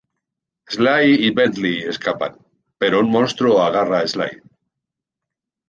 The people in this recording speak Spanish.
Sly y Bentley escapan, pero un monstruo agarra a Sly.